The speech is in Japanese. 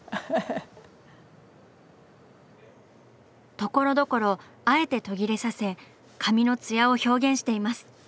ところどころあえて途切れさせ髪のツヤを表現しています！